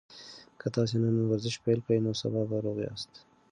که تاسي نن ورزش پیل کړئ نو سبا به روغ یاست.